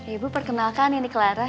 ibu perkenalkan ini clara